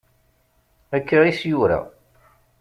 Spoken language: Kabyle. Akka is-yura.